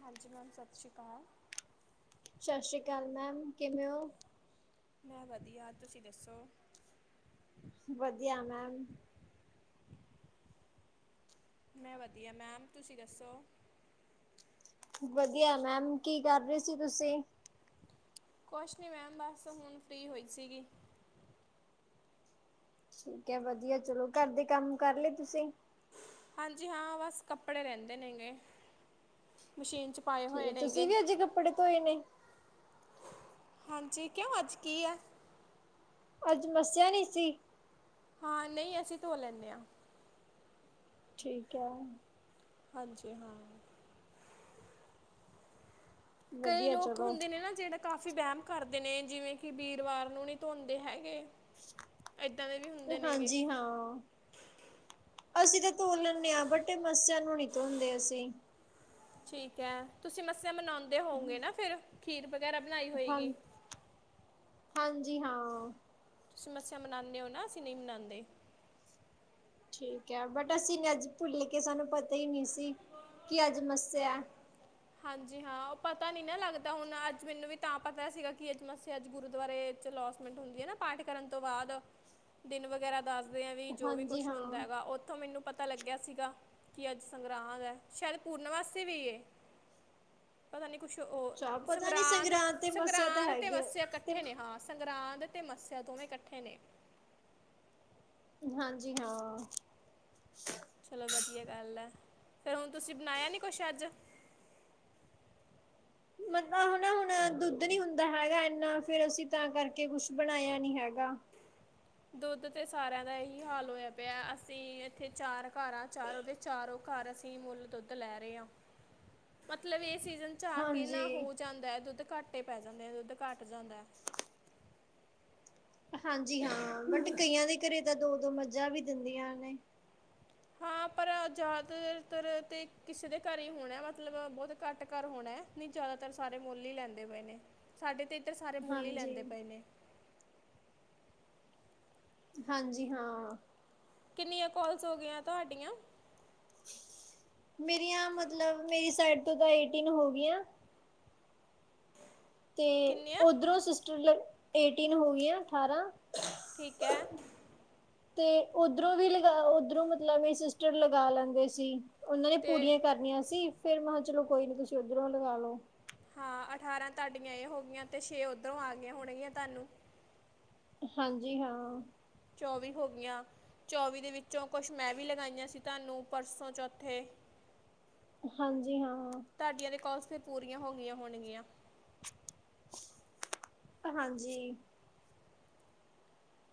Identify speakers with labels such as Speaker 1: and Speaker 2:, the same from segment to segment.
Speaker 1: ਹਾਂਜੀ ਮੈਮ ਸਤਿ ਸ਼੍ਰੀ ਕਾਲ
Speaker 2: ਸਸ਼੍ਰੀ ਕਾਲ ਮੈਮ ਕਿਵੇਂ ੳਂ।
Speaker 1: ਮੈਂ ਵਧੀਆ ਤੁਸੀਂ ਦੱਸੋ?
Speaker 2: ਵਧੀਆ ਮੈਮ
Speaker 1: ਮੈਂ ਵਧੀਆ ਮੈਮ ਤੁਸੀਂ ਦੱਸੋ।
Speaker 2: ਵਧੀਆ ਮੈਮ ਕੀ ਕਰ ਰਹੇ ਸੀ ਤੁਸੀਂ?
Speaker 1: ਕੁਛ ਨੀ ਮੈਮ ਬੱਸ ਹੁਣ ਫ੍ਰਰੀ ਹੋਈ ਸੀਗੀ।
Speaker 2: ਠੀਕ ਹੈ ਵਧੀਆ ਚਲੋ ਘਰ ਦੇ ਕੰਮ ਕਰ ਲਏ ਤੁਸੀਂ।
Speaker 1: ਹਾਂਜੀ ਹਾਂ ਬਸ ਕੱਪੜੇ ਰਹਿੰਦੇ ਨੇਗੇ ਮਸ਼ੀਨ ਚ ਪਾਏ
Speaker 2: ਠੀਕ
Speaker 1: ਹੋਏ
Speaker 2: ਹੈ ਤੁਸੀਂ
Speaker 1: ਨੇਗੇ
Speaker 2: ਵੀ ਅਜੇ ਕੱਪੜੇ ਧੋਏ ਨੇ
Speaker 1: ਹਾਂਜੀ ਕਿਉਂ ਅੱਜ ਕੀ ਹੈ?
Speaker 2: ਅੱਜ ਮੱਸਿਆ ਨਹੀ ਸੀ-
Speaker 1: ਹਾਂ ਨਹੀਂ ਅਸੀਂ ਧੋ ਲੈਂਣੇ ਹਾਂ।
Speaker 2: ਠੀਕ ਹੈ
Speaker 1: ਹਾਂਜੀ ਹਾਂ। ਕਈ
Speaker 2: ਵਧੀਆ
Speaker 1: ਲੋਕ
Speaker 2: ਚਲੋ
Speaker 1: ਹੁੰਦੇ ਨੇ ਨਾ ਜਿਹੜਾ- ਕਾਫੀ ਵਹਿਮ ਕਰਦੇ ਨੇ ਜਿਵੇਂ ਕਿ ਵੀਰਵਾਰ ਨੂੰ ਨਹੀਂ ਧੋਂਦੇ ਹੈਗੇ। ਇੱਦਾਂ ਦੇ ਵੀ ਹੁੰਦੇ ਨੇਗੇ
Speaker 2: ਹਾਂਜੀ ਹਾਂ। ਅਸੀਂ ਤਾਂ ਧੋ ਲੈਂਨਦੇ ਹਾਂ ਬਟੇ ਮੱਸਿਆ ਨੂੰ ਨਹੀਂ ਧੋਂਦੇ ਅਸੀਂ।
Speaker 1: ਠੀਕ ਹੈ ਤੁਸੀਂ ਮੱਸ ਮਨਾਉਂਦੇ ਹੋਗੇ ਨਾ ਫਿਰ- ਖੀਰ- ਗੈਰਾ ਬਣਾਈ
Speaker 2: ਹਾਂ
Speaker 1: ਹੋਏਗੀ‌।
Speaker 2: ਹਾਂਜੀ ਹਾਂ।
Speaker 1: ਤੁਸੀ ਮੱਸਿਆ ਮਨਾਦੇ ਹੋ ਨਾ ਅਸੀਂ ਨਹੀਂ ਮਨਾਦੇ-
Speaker 2: ਠੀਕ ਹੈ ਬਟ ਅਸੀਂ ਅੱਜ ਭੁੱਲ ਕੇ ਸਾਨੂੰ ਪਤਾ ਹੀ ਨਹੀਂ ਸੀ ਕੀ ਅੱਜ ਮੱਸਿਆ-
Speaker 1: ਹਾਂਜੀ ਹਾਂ ਉਹ ਪਤਾ ਨੀ ਨਾ ਲੱਗਦਾ ਹੁਣ ਅੱਜ ਮੈਨੂੰ ਵੀ ਤਾਂ ਪਤਾ ਸੀਗਾ ਕਿ ਅੱਜ ਮੱਸਿਆ ਅੱਜ ਗੁਰੂਦੁਆਰੇ ਚ ਲੋਸਮੈਂਟ ਹੁੰਦੀ ਹੈ ਨਾ ਪਾਠ ਕਰਨ ਤੋਂ ਬਾਅਦ ਦਿਨ ਵਗੈਰਾ ਦੱਸ- ਦੇ ਵੀ ਜੋ ਵੀ
Speaker 2: ਹਾਂਜੀ
Speaker 1: ਕੁਛ
Speaker 2: ਹਾਂ।
Speaker 1: ਹੁੰਦਾ ਹੈਗਾ ਉੱਥੋਂ ਮੈਨੂੰ ਪਤਾ- ਪਤਾ ਲੱਗਿਆ ਸੀਗਾ ਕਿ ਅੱਜ ਸੰਗਰਾਂਦ ਹੈ ਸ਼ਾਇਦ ਪੂਰਨਮਾਸੀ ਵੀ ਏ। ਪਤਾ ਨੀ- ਕੁਛ
Speaker 2: ਅੱਛਾ ਪਤਾ ਨੀ
Speaker 1: ਸੰਗਰਾਂਦ
Speaker 2: ਤੇ ਮੱਸਿਆ ਤਾਂ
Speaker 1: ਸੰਗਰਾਂਦ '
Speaker 2: ਹੈਗੀ ਆ
Speaker 1: ਮੱਸਿਆ
Speaker 2: ਤੇ
Speaker 1: ਇਕੱਠੇ ਨੇ ਹਾਂ ਸੰਗਰਾਂਦ ਤੇ ਮੱਸਿਆ ਦੋਵੇਂ ਇਕੱਠੇ ਨੇ-
Speaker 2: ਹਾਂਜੀ ਹਾਂ।
Speaker 1: ਚਲੋ ਵਧੀਆ ਗੱਲ ਹੈ ਫੇਿਰ ਹੁਣ ਤੁਸੀਂ ਬਣਾਇਆ ਨੀ ਕੁਛ ਅੱਜ?
Speaker 2: ਮਤਲੱਬ ਹਨਾ ਹੁਣ ਦੁੱਧ ਨੀ ਹੁੰਦਾ ਹੈਗਾ ਇਨਾ ਫਿਰ ਅਸੀਂ ਤਾਂ ਕਰਕੇ ਕੁਛ ਬਣਾਇਆ ਨੀ ਹੈਗਾ।
Speaker 1: ਦੁੱਧ ਤੇ ਸਾਰਿਆਂ ਦਾ ਇਹੀ ਹਾਲ ਹੋਇਆ ਪਿਆ ਅਸੀਂ ਇੱਥੇ ਚਾਰ ਘਰ ਹ ਚਾਰੋਂ ਦੇ ਚਾਰੋਂ ਘਰ ਅਸੀਂ ਮੁੱਲ ਦੁੱਧ ਲੈ ਰਹੇ ਹਾਂ ਮੱਤਲਬ ਇਹ ਸੀ ਝਾ ਕਿ ਨਾ
Speaker 2: ਹਾਂਜੀ
Speaker 1: ਹੋ ਜਾਂਦਾ ਹੈ ਦੁੱਧ ਘੱਟੇ ਪੈ ਜਾਂਦੇ ਆ ਦੁੱਧ ਘੱਟ ਜਾਂਦਾ।
Speaker 2: ਹਾਂਜੀ ਹਾਂ ਮੈਂ ਕਿਹਾ ਕਈਆਂ ਦੇ ਘਰੇ ਤਾਂ ਦੋ ਦੋ ਮੱਝਾਂ ਵੀ ਦਿੰਦੀਆਂ ਨੇ
Speaker 1: ਹਾਂ ਪਰ ਜ਼ਿਆਦਾ ਤੱਰ ਤੇ ਕਿਸੇ ਦੇ ਘਰ ਹੀ ਹੋਣਾ ਮੱਤਲਬ ਬਹੁਤ ਘੱਟ ਘਰ ਹੋਣਾ ਨਹੀਂ ਜ਼ਿਆਦਾਤਰ ਸਾਰੇ ਮੁੱਲ ਹੀ ਲੈਂਦੇ ਪਏ ਨੇ ਸਾਡੇ ਤੇ- ਤੇ ਸਾਰੇ ਮੁੱਲ ਹੀ
Speaker 2: ਹਾਂਜੀ
Speaker 1: ਲੈਂਦੇ ਪਏ ਨੇ-
Speaker 2: ਹਾਂਜੀ ਹਾਂ।
Speaker 1: ਕਿੰਨੀਆਂ ਕੋਲਸ ਹੋ ਗਈਆਂ ਤੁਹਾਡੀਆਂ?
Speaker 2: ਮੇਰੀਆਂ ਮੱਤਲਬ ਮੇਰੀ ਸਾਈਡ ਤੋਂ ਤਾਂ ਏਟੀਂਨ ਹੋ ਗਈਆਂ ਤੇ
Speaker 1: ਕਿੰਨੀਆਂ
Speaker 2: ਉਧਰੋਂ ਸਿਸੱਟਰ ਏਟੀਨ ਹੋ ਗਈਆਂ ਅਠਾਰਾਂ।
Speaker 1: ਠੀਕ ਹੈ।
Speaker 2: ਤੇ ਉਓਧਰੋਂ ਵੀ ਲਗਾ ਉਓਧਰੋਂ ਮਤਲਬ ਮ ਸਿਸਟਰ ਲਗਾ ਲੈਂਦੇ ਸੀ। ਉਹਨਾਂ ਨੇ
Speaker 1: ਤੇ
Speaker 2: ਪੂਰੀਆਂ ਕਰਨੀਆਂ ਸੀ। ਫੇਰ ਮੈਂ ਕਿਹਾ ਚਲੋ ਕੋਈ ਨੀ ਤੁਸੀਂ ਉੱਧਰੋਂ ਲਗਾ ਲੋੋ।
Speaker 1: ਹਾਂ ਅਠਾਰਾਂ ਤੁਹਾਡੀਆਂ ਹੋ ਗਆਂ ਤੇ ਛੇ ਉਓਧਰੋਂ ਆ ਗਈਆਂ ਹੋਣਗੀਆਂ ਤੁਹਾਨੂੰ।
Speaker 2: ਹਾਂਜੀ ਹਾਂ।
Speaker 1: ਚੌਵੀ ਹੋ ਗਈਆਂ ਚੌਵੀ ਦੇ ਵਿੱਚੋਂ ਕੁਛ ਮੈਂ ਵੀ ਲਗਾਈਆਂ ਸੀ ਤੁਹਾਨੂੰ ਪਰਸੋਂ ਚੌਥੇ
Speaker 2: ਹਾਂਜੀ ਹਾਂ।
Speaker 1: ਤੁਹਾਡੀਆਂ ਦੇ ਕੋਸ ਫ ਪੂਰੀਆਂ ਹੋ ਗਈਆਂ ਹੋਣਗੀਆਂ।
Speaker 2: ਹਾਂਜੀ।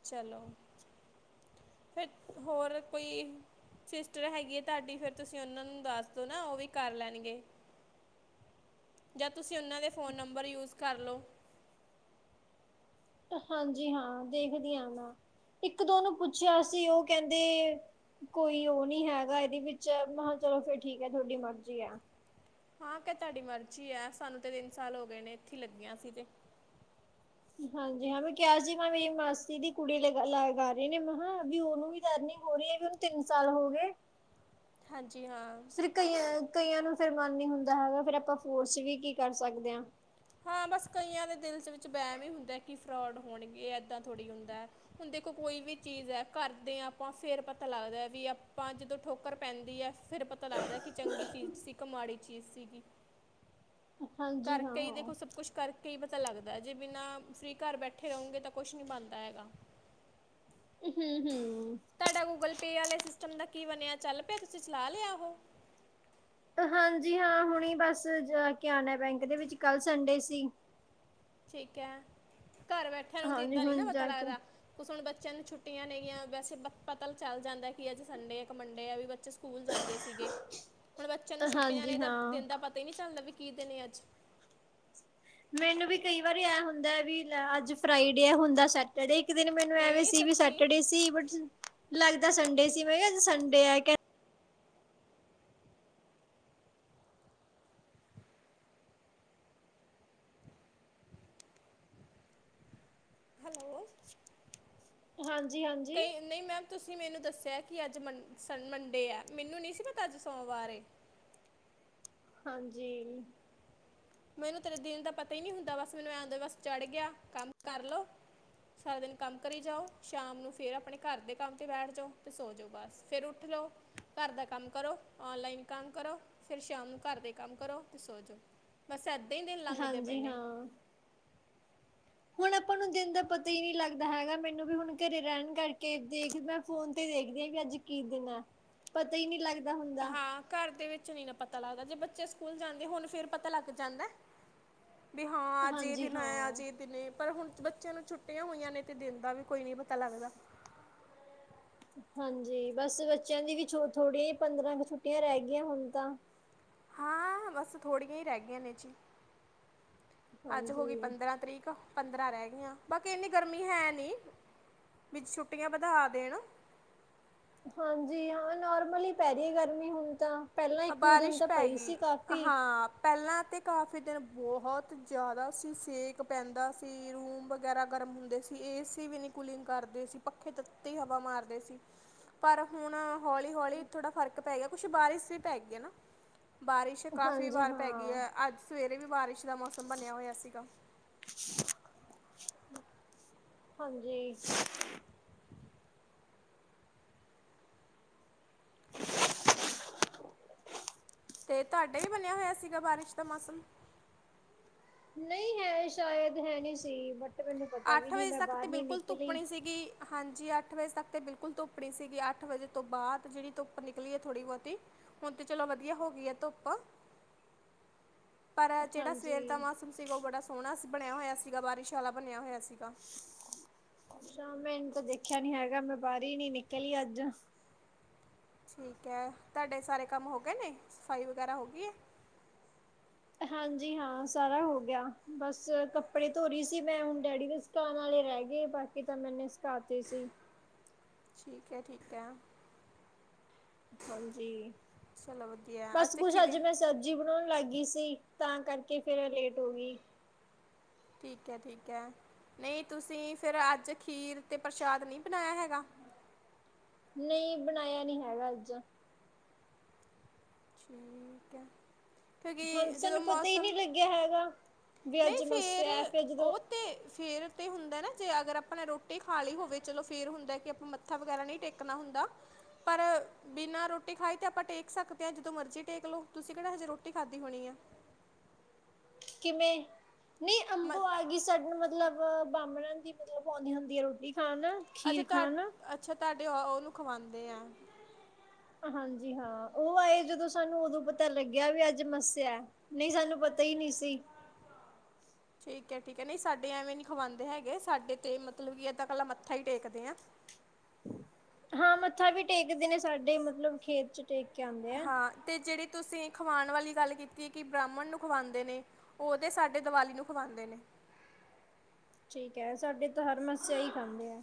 Speaker 1: ਚਲੋ ਫਿਰ ਹੋਰ ਕੋਈ ਸਿਸਟਰ ਹੈਗੀ ਹੈ ਤੁਹਾਡੀ ਫਿਰ ਤੁਸੀਂ ਉਹਨਾਂ ਨੂੰ ਦੱਸ ਦੋ ਨਾ ਉਹ ਵੀ ਕਰ ਲੈਣਗੇ ਜਾਂ ਤੁਸੀਂ ਉਹਨਾਂ ਦੇ ਫੋਨ ਨੰਬਰ ਯੂਜ ਕਰ ਲੋ।
Speaker 2: ਹਾਂਜੀ ਹਾਂ ਦੇਖਦੀ ਹਾਂ ਮੈਂ ਇੱਕ ਦੋ ਨੂੰ ਪੁੱਛਿਆ ਸੀ ਉਹ ਕਹਿੰਦੇ ਕੋਈ ਉਹ ਨੀ ਹੈਗਾ ਇਹਦੇ ਵਿੱਚ ਮੈਂ ਚਲੋ ਫਿਰ ਠੀਕ ਹੈ ਤੁਹਾਡੀ ਮਰਜੀ ਆ।
Speaker 1: ਹਾਂ ਕਿ ਤੁਹਾਡੀ ਮਰਜ਼ੀ ਆ ਸਾਨੂੰ ਤੇ ਤਿੰਨ ਸਾਲ ਹੋ ਗਏ ਨੇ ਇੱਥੇ ਲੱਗੀਆਂ ਸੀ ਤੇ
Speaker 2: ਹਾਂਜੀ ਹਾਂ ਮੈਂ ਕਿਹਾ ਸੀ ਮੈਂ ਮੇਰੀ ਮਾਸੀ ਦੀ ਕੁੜੀ ਲ ਲਗਾ ਰਹੇ ਨੇ ਮੈਂ ਵੀ ਉਹਨੂੰ ਵੀ ਦਰਨਿੰਗ ਹੋ ਰਹੀ ਹੈ ਵੀ ਉਹਨੂੰ ਤਿੰਨ ਸਾਲ ਹੋ ਗਏ।
Speaker 1: ਹਾਂਜੀ ਹਾਂ
Speaker 2: ਫਿਰ ਕਈਆਂ ਕਈਆਂ ਨੂੰ ਫੇਰ ਮਨ ਨੀ ਹੁੰਦਾ ਹੈਗਾ ਫੇਰ ਆਪਾਂ ਫੋਰਸ ਵੀ ਕੀ ਕਰ ਸਕਦੇ ਹਾਂ।
Speaker 1: ਹਾਂ ਬਸ ਕਈਆਂ ਦੇ ਦਿਲ ਵਿੱਚ ਵਹਿਮ ਹੀ ਹੁੰਦਾ ਕਿ ਫਰੋਡ ਹੋਣਗੇ ਏਦਾਂ ਥੋੜ੍ਹੀ ਹੁੰਦਾ ਹੁਣ ਦੇਖੋ ਕੋਈ ਵੀ ਚੀਜ਼ ਹੈ ਕਰਦੇ ਹ ਆਪਾਂ ਫਰ ਪਤਾ ਲੱਗਦਾ ਵੀ ਆਪਾਂ ਜਦੋਂ ਠੋਕਰ ਪੈਂਦੀ ਹੈ। ਫਿਰ ਪਤਾ ਲੱਗਦਾ ਕਿ ਚੰਗੀ ਚੀਜ਼ ਸੀ ਇੱਕ ਮਾੜੀ ਚੀਜ਼ ਸੀਗੀ
Speaker 2: ਹਾਂਜੀ ਹਾਂ।
Speaker 1: ਕਰਕੇ ਹੀ
Speaker 2: ਹਾਂ।
Speaker 1: ਦੇਖੋ ਸਭ ਕੁਛ ਕਰਕੇ ਕੀ ਹੀ ਪਤਾ ਲੱਗਦਾ ਜੇ ਬਿਨਾਂ ਫਰੀ ਘਰ ਬੈਠੇ ਰਹੋਗੇ ਤਾਂ ਕੁਛ ਨੀ ਬਣਦਾ ਹੈਗਾ।
Speaker 2: ਹਮ ਹਮ।
Speaker 1: ਤੁਹਾਡਾ ਗੂਗਲ ਪੇ ਵਾਲੇ ਸਮ ਦਾ ਕੀ ਬਣਿਆ ਚੱਲ ਪਿਆ ਤੁਸੀਂ ਚਲਾ ਲਿਆ ਉਹ
Speaker 2: ਹਾਂਜੀ ਹਾਂ ਹੁਣ ਬਸ ਜਾ ਕੇ ਆਣਾ ਬੈਂਕ ਦੇ ਵਿੱਚ ਕੱਲ ਸੰਡੇ ਸੀ।
Speaker 1: ਚ ਕ ਘਰ ਬੈਠਿਆਂ ਨੂੰ
Speaker 2: ਹਾਂਜੀ
Speaker 1: ਦਿਨਦਾ ਨ ਨਹੀਂ ਨਾ
Speaker 2: ਹੁਣ
Speaker 1: ਪਤਾ
Speaker 2: ਜਾ ਕੇ
Speaker 1: ਲੱਗਦਾ ਕੁਛ ਹੁਣ ਬੱਚ ਬੱਚਿਆਂ ਨੂੰ ਛੁੱਟੀਆਂ ਨੇਗੀਆਂ ਵੈਸੇ ਪਤਾ ਚੱਲ ਜਾਂਦਾ ਕਿ ਅੱਜ ਸੰਡੇ ਆ ਇੱਕ ਮੰਡੇ ਆ ਵੀ ਬ ਸਕੂਲ ਜਾਂਦੇ ਸੀਗੇ ਹੁਣ ਬੱਚਿਆਂ ਨੂੰ ਛੁੱਟੀਆਂ ਨੇ
Speaker 2: ਹਾਂਜੀ
Speaker 1: ਦਾ
Speaker 2: ਹਾਂ।
Speaker 1: ਦਿਨ ਦਾ ਪਤਾ ਹੀ ਨਹੀਂ ਚੱਲਦਾ ਵੀ ਕੀ ਦੇ ਨੇ ਅੱਜ
Speaker 2: ਮੈਨੂੰ ਵੀ ਕਈ ਵਾਰੀ ਐ ਹੁੰਦਾ ਹੈ ਵੀ ਅੱਜ ਫਰਾਈਡੇ ਹੈ ਹੁੰਦਾ ਸੈਟਰਡੇ। ਇੱਕ ਦਿਨ ਮੈਨੂੰ ਐਵੇਂ
Speaker 1: ਨਹੀਂ
Speaker 2: ਸੀ ਵੀ
Speaker 1: ਸੱਚੀ
Speaker 2: ਸੈਟਰਡੇ ਸੀ ਬਟ ਲੱਗਦਾ। ਸੰਡੇ ਸੀ ਮੈਂ ਕਿਹਾ ਸੰਡੇ ਆ ਕਹਿੰ
Speaker 1: ਹੈਲੋ
Speaker 2: ਹਾਂਜੀ। ਹਾਂਜੀ
Speaker 1: ਕਈ ਨਹੀਂ ਮੈਂ ਤੁਸੀਂ ਮੈਨੂੰ ਦੱਸਿਆ ਕਿ ਅੱਜ ਮੰ ਮੰਡੇ ਹੈ ਮੈਨੂੰ ਨੀ ਸੀ ਪਤਾ ਅੱਜ ਸੋਮਵਾਰ
Speaker 2: ਹਾਂਜੀ।
Speaker 1: ਮੈਨੂੰ ਤੇਰੇ ਦਿਨ ਦਾ ਪਤਾ ਹੀ ਨਹੀਂ ਹੁੰਦਾ ਬਸ ਮੈਨੂੰ ਐਂ ਬਸ ਚੜ੍ਹ ਗਿਆ ਕੰਮ ਕਰ ਲਓ ਸਾਰਾ ਦਿਨ ਕੰਮ ਕਰੀ ਜਾਓ ਸ਼ਾਮ ਨੂੰ ਫਿਰ ਆਪਣੇ ਘਰ ਦੇ ਕੰਮ ਤੇ ਬੈਠ ਜਾਓ ਤੇ ਸੋ ਜਾਓ ਬਸ ਫਿਰ ਉੱਠ ਲਓ ਘਰ ਦਾ ਕੰਮ ਕਰੋ ਨਲਾਈਨ ਕੰਮ ਕਰੋ ਫਿਰ ਸ਼ਾਮ ਨੂੰ ਘਰ ਦੇ ਕੰਮ ਕਰੋ ਤੇ ਸੋ ਜਾਓ। ਬਸੰਤ
Speaker 2: ਹਾਂਜੀ ਹਾਂ ਹੁਣ ਆਪਾਂ ਨੂੰ ਦਿਨ ਦਾ ਪਤਾ ਹੀ ਨਹੀਂ ਲੱਗਦਾ ਹੈਗਾ ਮੈਨੂੰ ਵੀ ਹੁਣ ਘਰੇ ਰਹਿਣ ਕਰਕੇ ਦੇਖ ਮੈਂ ਫ਼ੋਨ ਤੇ ਦੇਖਦੀ ਹਾਂ ਵੀ ਅੱਜ ਕੀ ਦਿਨ ਹੈ ਪਤਾ ਹੀ ਨਹੀਂ ਲੱਗਦਾ ਹੁੰਦਾ
Speaker 1: ਹਾਂ ਘਰ ਦੇ ਵਿੱਚ ਨੀ ਨਾ ਪਤਾ ਲੱਗਦਾ ਜੇ ਬੱਚੇ ਸਕੂਲ ਜਾਂਦੇ ਹੁਣ ਫਿਰ ਪਤਾ ਲੱਗ ਜਾਂਦਾ ਵੀ ਹਾਂ ਅੱਜ ਇਹ
Speaker 2: ਹਾਂਜੀ
Speaker 1: ਦਿਨ ਆ ਅੱਜ
Speaker 2: ਹਾਂ
Speaker 1: ਇਹ ਦਿਨ ਪਰ ਹੁਣ ਬੱਚਿਆਂ ਨੂੰ ਛੁੱਟੀਆਂ ਹੋਈਆਂ ਨੇ ਤੇ ਦਿਨ ਦਾ ਵੀ ਕੋਈ ਨੀ ਪਤਾ ਲੱਗਦਾ
Speaker 2: ਹਾਂਜੀ ਬਸ ਬੱਚਿਆਂ ਦੀ ਵੀ ਥੋੜੀਆਂ ਪੰਦਰਾਂ ਕੁ ਛੁੱਟੀਆਂ ਰਹਿ ਗਈਆਂ ਹੁਣ ਤਾਂ
Speaker 1: ਹਾਂ ਬੱਸ ਥੋੜੀਆਂ ਹੀ ਰਹਿ ਗਈਆਂ ਨੇ ਜੀ ਅੱਜ ਹੋ ਗਈ
Speaker 2: ਹਾਂਜੀ
Speaker 1: ਪੰਦਰਾਂ ਤੱਰੀਕ ਪੰਦਰਾਂ ਰਹਿ ਗਈਆਂ ਬਾਕੀ ਇੰਨੀ ਗਰਮੀ ਹੈ ਨੀ ਵਿੱਚ ਛੁੱਟੀਆਂ ਵੱਧਾ ਦੇਣ
Speaker 2: ਹਾਂਜੀ ਹਾਂ ਨੋਰਮਲੀ ਹੀ ਪੈ ਰਹੀ ਹੈ ਗਰਮੀ ਹੁਣ ਤਾਂ ਪਹਿਲਾਂ ਇੱਕ ਦੋ ਦਿਨ
Speaker 1: ਬਾਰਿਸ਼
Speaker 2: ਤਾਂ
Speaker 1: ਪੈ
Speaker 2: ਪਈ
Speaker 1: ਗਈ
Speaker 2: ਸੀ ਕਾਫੀ
Speaker 1: ਹਾਂ ਪਹਿਲਾਂ ਤਾਂ ਕਾਫੀ ਦਿਨ ਬਹੁਤ ਜ਼ਿਆਦਾ ਸੀ ਸੇਕ ਪੈਂਦਾ ਸੀ ਰੂਮ ਵਗੈਰਾ ਗਰਮ ਹੁੰਦੇ ਸੀ ਏ ਸੀ ਵੀ ਨਹੀਂ ਕੂਲਿੰਗ ਕਰਦੇ ਸੀ ਪੱਖੇ ਤੱਤੀ ਹਵਾ ਮਾਰਦੇ ਸੀ ਪਰ ਹੁਣ ਹੌਲੀ ਹੌਲੀ ਥੋੜਾ ਫਰਕ ਪੈ ਗਿਆ ਕੁਛ ਬਾਰਿਸ਼ ਸੀ ਪੈ ਗ ਨਾ ਬਾਰਿਸ਼ ਕਾਫ਼ੀ
Speaker 2: ਹਾਂਜੀ
Speaker 1: ਵਾਰ ਪੈ ਗਈ
Speaker 2: ਹਾਂ
Speaker 1: ਹੈ ਅੱਜ ਸਵੇਰੇ ਵੀ ਬਾਰਿਸ਼ ਦਾ ਮੌਸਮ ਬਣਿਆ ਹੋਇਆ ਸੀਗਾ
Speaker 2: ਹਾਂਜੀ
Speaker 1: ਤੇ ਤੁਹਾਡਾ ਵੀ ਬਣਿਆ ਹੋਇਆ ਸੀਗਾ ਬਾਰਿਸ਼ ਦਾ ਮੌਸਮ
Speaker 2: ਨਹੀਂ ਹੈ ਸ਼ਾਇਦ ਹੈ ਨਹੀਂੀ ਸੀ ਬਟ ਮੈਨੂੰ ਪਤਾ ਵੀ
Speaker 1: ਅੱਠ
Speaker 2: ਨਹੀਂ
Speaker 1: ਵਜੇ
Speaker 2: ਮੈਂ
Speaker 1: ਤੱਕ
Speaker 2: ਬਾਹਰ
Speaker 1: ਤੇ
Speaker 2: ਨੀ
Speaker 1: ਬਿਲਕੁਲ
Speaker 2: ਨਿਕਲੀ
Speaker 1: ਤੁੁੱਪਣੀ ਸੀਗੀ ਹਾਂਜੀ ਅੱਠ ਅੱਠ ਵਜੇ ਤੱਕ ਤੇ ਬਿਲਕੁਲ ਧੁੱਪ ਨੀ ਸੀਗੀ ਅੱਠ ਵਜੇ ਤੋਂ ਬਾਅਦ ਜਿਹੜੀ ਧੁੱਪ ਨਿਕਲੀ ਹੈ ਥੋੜ੍ਹੀ ਬਹੁਤੀ ਹੁਣ ਤੇ ਚਲੋ ਵਧੀਆ ਹੋ ਗਈ ਹੈ ਧੁੱਪ ਪਰ ਜਿਹੜਾ ਸਵੇਰ
Speaker 2: ਹਾਂਜੀ
Speaker 1: ਦਾ ਮੌਸਮ ਸੀਗਾ ਉਹ ਬੜਾ ਸੋਹਣਾ ਸੀਗਾ ਬਣਿਆ ਹੋਇਆ ਸੀਗਾ ਬਾਰਿਸ਼ ਵਾਲਾ ਬਣਿਆ ਹੋਇਆ ਸੀਗਾ
Speaker 2: ਸ਼ਾਮ ਮੈਂ ਇਹਨੂੰ ਤਾਂ ਦੇਖਿਆ ਨੀ ਹੈਗਾ ਮੈਂ ਬਾਹਰੀ ਨੀ ਨਿਕਲੀ ਅੱਜ
Speaker 1: ਠੀਕ ਹੈ ਤੁਹਾਡੇ ਸਾਰੇ ਕੰਮ ਹੋ ਗਏ ਨੇ ਸਫ਼ਾਈ ਵਗੈਰਾ ਹੋ ਗਈ ਹੈ
Speaker 2: ਹਾਂਜੀ ਹਾਂ ਸਾਰਾ ਹੋ ਗਿਆ ਬੱਸ ਕੱਪੜੇ ਧੋ ਰਹੀ ਸੀ ਮੈਂ ਹੁਣ ਡੈਡੀ ਦੇ ਸਿਕਾਉਣ ਵਾਲੇ ਰਹਿ ਗਏ ਬਾਕੀ ਤਾਂ ਮੈਨੇ ਸੁਕਾਤੇ ਸੀ
Speaker 1: ਠੀਕ ਹੈ ਠੀਕ ਹੈ
Speaker 2: ਹਾਂਜੀ
Speaker 1: ਚਲੋ ਵਧੀਆ
Speaker 2: ਬਸ
Speaker 1: ਤੇ
Speaker 2: ਕੁਛ
Speaker 1: ਖੀ
Speaker 2: ਅੱਜ ਮੈਂ ਸਬਜ਼ੀ ਬਣਾਉਣ ਲੱਗ ਗਈ ਸੀ ਤਾਂ ਕਰਕੇ ਫਿਰ ਲੇਟ ਹੋ ਗਈ
Speaker 1: ਠੀਕ ਹੈ ਠੀਕ ਹੈ ਨਹੀਂ ਤੁਸੀਂ ਫਿਰ ਅੱਜ ਖੀਰ ਤੇ ਪ੍ਰਸ਼ਾਦ ਨਹੀਂ ਬਣਾਇਆ ਹੈਗਾ [unintelligible]
Speaker 2: ਨਹੀਂ ਬਣਾਇਆ ਨਹੀਂ ਹੈਗਾ ਅੱਜ
Speaker 1: ਠੀਕ ਹੈ ਕਿਉਂਕਿ
Speaker 2: ਹਾਂਜੀ
Speaker 1: ਜਦੋਂ
Speaker 2: ਸਾਨੂੰ ਪਤਾ ਹੀ ਨਹੀਂ
Speaker 1: ਮੌਸਮ
Speaker 2: ਲੱਗਿਆ ਹੈਗਾ ਵੀ
Speaker 1: ਨਹੀਂ
Speaker 2: ਅੱਜ
Speaker 1: ਫੇਰ
Speaker 2: ਮੱਸਿਆ ਫਿਰ ਜਦੋਂ
Speaker 1: ਉਹ ਤੇ ਫੇਰ ਤੇ ਹੁੰਦਾ ਨਾ ਜੇ ਅਗਰ ਆਪਾਂ ਨੇ ਰੋਟੀ ਖਾ ਲਈ ਹੋਵੇ ਚਲੋ ਫੇਰ ਹੁੰਦਾ ਕਿ ਆਪਾਂ ਮੱਥਾ ਵਗੈਰਾ ਨਹੀਂ ਟੇਕਣਾ ਹੁੰਦਾ ਪਰ ਬਿਨਾਂ ਰੋਟੀ ਖਾਈ ਤੇ ਆਪਾਂ ਟੇਕ ਸਕਦੇ ਹਾਂ ਜਦੋਂ ਮਰਜ਼ੀ ਟੇਕ ਲਓ ਤੁਸੀਂ ਕਿਹੜਾ ਹਜੇ ਰੋਟੀ ਖਾਧਦੀ ਹੋਣੀ ਏ।
Speaker 2: ਕਿਵੇਂ ਨਹੀਂ ਅੰਬੋ ਆ ਗਈ ਸਾਡ ਮਤਲਬ ਬਾਹਮਣ ਦੀ ਮਤਲਬ ਆਉਂਦੀ ਹੁੰਦੀ ਹੈ ਰੋਟੀ। ਖਾਣ
Speaker 1: ਅੱਛਾ
Speaker 2: ਖੀਰ
Speaker 1: ਤੁਹਾ
Speaker 2: ਖਾਣ
Speaker 1: ਅੱਛਾ ਤੁਹਾਡੇ ਆ ਉਹਨੂੰ ਖਵਾਾਂਉਦੇ ਹੈ।
Speaker 2: ਹਾਂਜੀ ਹਾਂ ਉਹ ਆਏ ਜਦੋਂ ਸਾਨੂੰ ਉਦੋਂ ਪਤਾ ਲੱਗਿਆ ਵੀ ਅੱਜ ਮੱਸਿਆ ਨਹੀਂ ਸਾਨੂੰ ਪਤਾ ਹੀ ਨਹੀਂ ਸੀ।
Speaker 1: ਠੀਕ ਹੈ ਠੀਕ ਹੈ ਨਹੀਂ ਸਾਡੇ ਐਵੇਂ ਨੀ ਖਵਾਉਂਦੇ ਹੈਗੇ ਸਾਡੇ ਤੇ ਮਤਲਬ ਕਿ ਏਦਾਂ ਕੱਲਾ ਮੱਥਾ ਹੀ ਟੇਕਦੇ ਆ।
Speaker 2: ਹਾਂ ਮੱਥਾ ਵੀ ਟੇਕਦੇ ਨੇ ਸਾਡੇ ਮਤਲਬ ਖੇਤ ਚ ਟੇਕ ਕੇ ਆਉਂਦੇ ਆ
Speaker 1: ਹਾਂ ਤੇ ਜਿਹੜੀ ਤੁਸੀਂ ਖਵਾਣ ਵਾਲੀ ਗੱਲ ਕੀਤੀ ਕਿ ਬ੍ਰਾਹਮਣ ਨੂੰ ਖਵਾਉਂਦੇ ਨੇ ਉਹਦੇ ਸਾਡੇ ਦੀਵਾਲੀ ਨੂੰ ਖਵਾਉਂਦੇ ਨੇ।
Speaker 2: ਠੀਕ ਹੈ ਸਾਡੇ ਤਾਂ ਹਰ ਮਸਿਆ ਹੀ ਕਰਦੇ ਆ।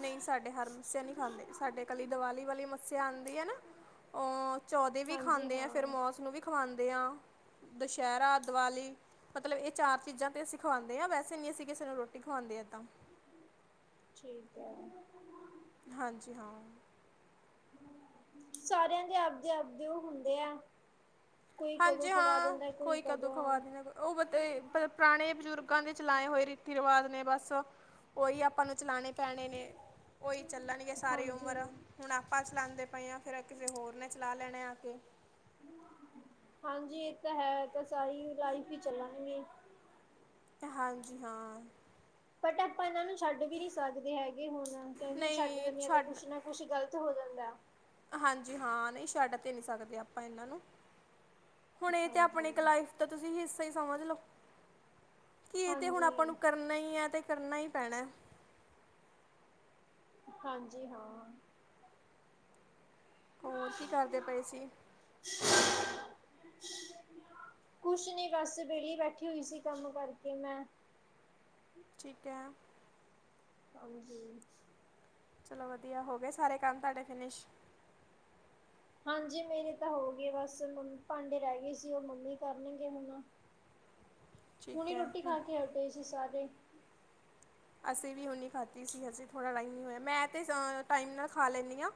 Speaker 1: ਨਹੀਂ ਸਾਡੇ ਹਰ ਮੱਸਿਆ ਨਹੀਂ ਖਾਂਦੇ ਸਾਡੇ ਇਕੀ ਦੀਵਾਲੀ ਵਾਲੀ ਮੱਸਿਆ ਆਉਂਦੀ ਹੈ ਨਾ ਅ ਚੌਦੇ ਵੀ
Speaker 2: ਹਾਂਜੀ
Speaker 1: ਖਾਂਦੇ ਆ ਫਿਰ
Speaker 2: ਹਾਂ
Speaker 1: ਮੌਸ ਨੂੰ ਵੀ ਖਾਂਦੇ। [unintelligible] ਦੁਸਹਿਰਾ ਦੀਵਾਲੀ ਮਤਲਬ ਇਹ ਚਾਰ ਚੀਜ਼ਾਂ ਤੇ ਅਸੀਂ ਖਵਾਾਂਂਦੇ ਹਾਂ ਵੈਸੇ ਨੀ ਅਸੀਂ ਕਿਸੇ ਨੂੰ ਰੋਟੀ ਖਵਾਉਂਦੇ ਏਦਾਂ
Speaker 2: ਠੀਕ ਐ।
Speaker 1: ਹਾਂਜੀ ਹਾਂ।
Speaker 2: ਸਾਰਿਆਂ ਦੇ ਆਪਦੇ ਆਪਦੇ ਹੁੰਦੇ ਆ। ਕੋਈ ਕਦੋਂ
Speaker 1: ਹਾਂਜੀ
Speaker 2: ਖਵਾ
Speaker 1: ਹਾਂ
Speaker 2: ਦਿੰਦਾ
Speaker 1: ਕੋਈ ਕਦੋਂ ਖਵਾ ਨਾ ਉਹ ਬ ਪੁਰਾਣੇ ਬਜ਼ੁਰਗਾਂ ਦੇ ਚਲਾਏ ਹੋਏ ਰੀਤੀ ਰਿਵਾਜ਼ ਨੇ। ਬਸ ਉਹੀ ਆਪਾਂ ਨੂੰ ਚਲਾਣੇ ਭੈਣੇ ਨੇ ਉਹੀ ਚੱਲਣਗੇ ਸਾਰੀ
Speaker 2: ਹਾਂਜੀ
Speaker 1: ਉਮਰ ਹੁਣ ਆਪਾਂ ਚਲਾਂਦੇ ਪਏ ਹਾਂ ਫਿਰ ਕਿਸੇ ਹੋਰ ਨੇ ਚਲਾ ਲੈਣੇ ਆ ਕੇ
Speaker 2: ਹਾਂਜੀ ਇਹ ਤਾਂ ਹੈ ਤਾਂ ਸਾਰੀ ਲਾਈਫ ਹੀ ਚੱਲਣਗੇ।
Speaker 1: ਹਾਂਜੀ ਹਾਂ।
Speaker 2: ਬਟ ਆਪਾਂ ਇਹਨਾਂ ਨੂੰ ਛੱਡ ਵੀ ਨੀ ਸਕਦੇ ਹੈਗੇ। ਹੋਣ ਕਿਉਂਕਿ ਛੱਡ
Speaker 1: ਨਹੀਂ
Speaker 2: ਦੇਦੇਾਂ ਤੇ
Speaker 1: ਛੱਡ
Speaker 2: ਕੁੱਛ ਨਾ ਕੁੱਛ ਗਲਤ ਹੋ ਜਾਂਦਾ।
Speaker 1: ਹਾਂਜੀ ਹਾਂ ਨਹੀਂ ਸ਼ਡ ਤੇ ਨੀ ਸਕਦੇ ਆਪਾਂ ਇਹਨਾਂ ਨੂੰ ਹੁਣ ਇਹ ਤੇ ਆਪਣੇ ਇੱਕ
Speaker 2: ਹਾਂਜੀ
Speaker 1: ਲਾਈਫ ਦਾ ਤੁਸੀਂ ਹ ਸਹੀ ਸਮਝ ਲੋ। ਕੀ ਇਹ ਤੇ ਹੁਣ ਆਪਾਂ ਨੂੰ
Speaker 2: ਹਾਂਜੀ,
Speaker 1: ਕਰਨਾ ਹੀ ਹੈ ਤੇ ਕਰਨਾ ਹੀ ਪੈਣਾ।
Speaker 2: ਹਾਂਜੀ ਹਾਂ।
Speaker 1: ਹੋਰ ਕੀ ਕਰਦੇ ਪਏ ਸੀ।
Speaker 2: ਕੁਛ ਨੀ ਬਸ ਵੇਲੀ ਬੈਠੀ ਹੋਈ ਸੀ ਕੰਮ ਕਰਕੇ ਮੈਂ
Speaker 1: ਠੀਕ ਹੈ।
Speaker 2: ਹਾਂਜੀ
Speaker 1: ਚਲੋ ਵਧੀਆ ਹੋ ਗਏ ਸਾਰੇ ਕੰਮ ਤੁਹਾਡੇ ਫਿਨਿਸ਼
Speaker 2: ਹਾਂਜੀ ਮੇਰੇ ਤਾਂ ਹੋ ਗਏ ਬਸ ਮੰ ਭਾਂਡੇ ਰਹਿ ਗਏ ਸੀ ਉਹ ਮੰਮੀ ਕਰਨਗੇ ਹੁਣ
Speaker 1: ਠੀਕ
Speaker 2: ਹੁਣੇ
Speaker 1: ਹੈ
Speaker 2: ਰੋਟੀ
Speaker 1: ਹਮ,
Speaker 2: ਖਾ ਕੇ ਹਟੇ ਸੀ ਸਾਰੇ
Speaker 1: ਅਸੀਂ ਵੀ ਹੁੰਨੀ ਖਾਂਦੀ ਸੀ ਹਜੇ ਥੋੜਾ ਟਾਈਮ ਨਹੀਂ ਹੋਇਆ ਮੈਂ ਤੇ ਟਾਈਮ ਨਾਲ ਖਾ ਲੈਂਦੀ ਹਾਂ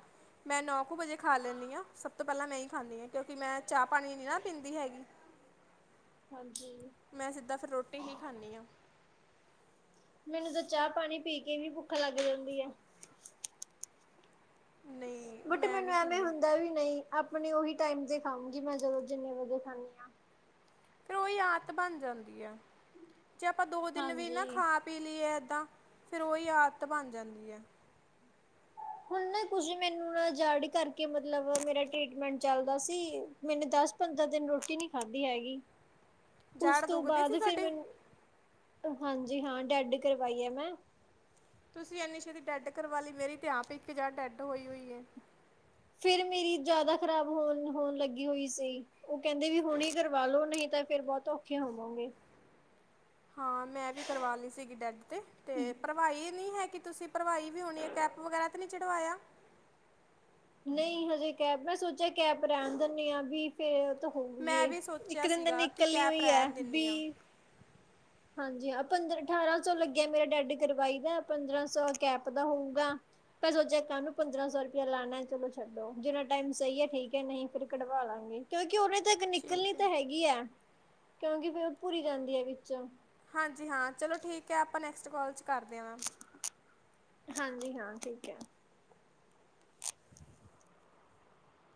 Speaker 1: ਮੈਂ ਨੋ ਕੁ ਵਜੇ ਖਾ ਲੈਂਦੀ ਹਾਂ ਸਭ ਤੋਂ ਪਹਿਲਾਂ ਮੈਂ ਹੀ ਖਾਂਦੀ ਹੈ ਕਿਉਂਕਿ ਮੈਂ ਚਾਹ ਪਾਣੀ ਨੀ ਨਾ ਪੀਂਦੀ ਹੈਗੀ।
Speaker 2: ਹਾਂਜੀ
Speaker 1: ਮੈਂ ਸਿੱਧਾ ਫਿਰ ਰੋਟੀ ਹੀ ਖਾਂਦੀ ਹਾਂ।
Speaker 2: ਮੈਨੂੰ ਤਾਂ ਚਾਹ ਪਾਣੀ ਪੀ ਕੇ ਵੀ ਭੁੱਖਾ ਲੱਗ ਜਾਂਦੀ ਆ।
Speaker 1: ਨਹੀਂ
Speaker 2: ਬਟੇ
Speaker 1: ਮੈਂ
Speaker 2: ਮੈਨੂੰ
Speaker 1: ਨਹੀਂ
Speaker 2: ਐਵੇਂ
Speaker 1: ਪੀਂਦੀ
Speaker 2: ਹੁੰਦਾ ਵੀ ਨਹੀਂ। ਆਪਣੇ ਉਓਹੀ ਟਾਈਮ ਤੇ ਖਾਊਗੀ ਮੈਂ ਜਦੋਂ ਜਿੰਨੇ ਵਜੇ ਖਦੀ ਆ।
Speaker 1: ਫਿਰ ਉਹੀ ਆਦਤ ਬਣ ਜਾਂਦੀ ਹੈ। ਜੇ ਆਪਾਂ ਦੋ ਦਿਨ ਵੀ ਨਾ
Speaker 2: ਹਾਂਜੀ।
Speaker 1: ਖਾ ਪੀ ਲਈਏ। ਤਾਂ ਫੇਰ ਉਹੀ ਆਦਤ ਬਣ ਜਾਂਦੀ ਹੈ।
Speaker 2: ਹੁਣ ਨਾ ਕੁਝ ਮੈਨੂੰ ਨਾ ਜਾੜ ਕਰਕੇ ਮਤਲਬ ਮੇਰਾ ਟਰੀਟਮੈਂਟ ਚੱਲਦਾ ਸੀ ਮੈਨੂੰ ਦਸ ਪੰਦਰਾਂ ਦਿਨ ਰੋਟੀ ਨਹੀਂ ਖਾਧੀ ਹੈਗੀ। ਉਸ
Speaker 1: ਜੜ
Speaker 2: ਤੋਂ
Speaker 1: ਦੁਖਦੀ ਸੀ
Speaker 2: ਬਾਅਦ ਫੇਰ
Speaker 1: ਤੁਹਾਡੀ
Speaker 2: ਮੈਨੂੰ ਹਾਂਜੀ ਹਾਂ ਡੈਡ ਕਰਵਾਈ ਹੈ ਮੈਂ
Speaker 1: ਤੁਸੀਂ ਐਨੀ ਸ਼ੇ ਦੀ ਡੈਡ ਕਰਵਾ ਲਈ ਮੇਰੀ ਤੇ ਆਪ ਇੱਕ ਜਾਰ ਡੈਡ ਹੋਈ ਹੋਈ ਹੈ।
Speaker 2: ਫਿਰ ਮੇਰੀ ਜ਼ਿਆਦਾ ਖ਼ਰਾਬ ਹੋਣ ਹੋਣ ਲੱਗੀ ਹੋਈ ਸੀ ਉਹ ਕਹਿੰਦੇ ਵੀ ਹੁਣੇ ਕਰਵਾ ਲੋੋ ਨਹੀਂ ਤਾਂ ਫੇਿਰ ਬਹੁਤ ਔਖੇ ਹੋਵਾਂਗੇ।
Speaker 1: ਹਾਂ ਮੈਂ ਵੀ ਕਰਵਾ ਲਈ ਸੀਗੀ ਡੈਡ ਤੇ ਤੇ ਪਰਵਾਈ ਨਹੀਂ ਹੈਗੀ। ਕਿ ਤੁਸੀਂ ਭਰਵਾਈ ਵੀ ਹੋਣੀ ਹੈ ਕੈਪ ਵਗੈਰਾ ਤੇ ਨਹੀਂ ਚੜਵਾਇਆ?
Speaker 2: ਨਹੀਂ ਹਜੇ ਕੈਬ ਮੈਂ ਸੋਚਿਆ ਕੈਬ ਰਹਿਣ ਦਦੇ ਆਂ ਵੀ ਫਿਰ-'
Speaker 1: ਮੈਂ
Speaker 2: ਹੋਊਏ
Speaker 1: ਵੀ ਸੋਚਿਆ
Speaker 2: ਇੱਕ ਦਿਨ ਤਾਂ
Speaker 1: ਸੀਗਾ ਕਿ
Speaker 2: ਨਿਕਲਣੀ
Speaker 1: ਕੈਪ
Speaker 2: ਹੋਈ ਹੈ
Speaker 1: ਰਹਿਣ ਦਿੰਦੀ ਹਾਂ
Speaker 2: ਵੀ। ਹਾਂਜੀ ਹਾਂ ਪੰਦਰ ਅਠਾਰਾਂ ਸੌ ਲੱਗਿਆ ਮੇਰਾ ਡੈਡੀ ਕਰਵਾਈ ਦਾ ਪੰਦਰਾਂ ਸੌ ਕੈਪ ਦਾ ਹੋਊਗਾ ਮ ਸੋਚਿਆ ਕਾਹ ਨੂੰ ਪੰਦਰਾਂ ਸੌ ਰੁਪਇਆ ਲਾਣਾ। ਚਲੋ ਛੱਡੋ ਜਿੰਨਾ ਟਾਈਮ ਸਹੀ ਹੈ ਠੀਕ ਹੈ ਨਹੀਂ ਫਿਰ ਕਢਵਾ ਲਾਂਗੇ ਕਿਉਂਕਿ ਉਹਨੇ ਤੱਕ ਨਿਕਲਣੀ
Speaker 1: ਠੀਕ ਹੈ
Speaker 2: ਤਾਂ ਹੈਗੀ ਹੈ। ਕਿਉਂਕਿ ਫਿਰ ਉਹ ਭੁਰੀ ਜਾਂਦੀ ਹੈ ਵਿੱਚ
Speaker 1: ਹਾਂਜੀ ਹਾਂ ਚਲੋ ਠੀਕ ਹੈ ਆਪਾਂ ਨੈਕਸਟ ਕਾਲ ਚ। ਕਰਦਿਆਂ ਵਾਂ।
Speaker 2: ਹਾਂਜੀ ਹਾਂ ਠੀਕ ਹੈ।